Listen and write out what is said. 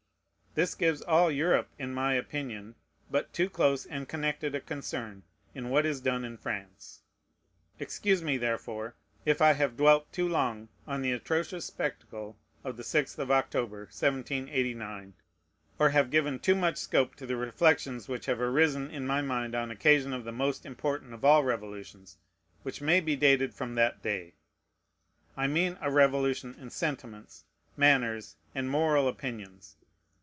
This gives all Europe, in my opinion, but too close and connected a concern in what is done in France. Excuse me, therefore, if I have dwelt too long on the atrocious spectacle of the sixth of October, 1789, or have given too much scope to the reflections which have arisen in my mind on occasion of the most important of all revolutions, which may be dated from that day: I mean a revolution in sentiments, manners, and moral opinions.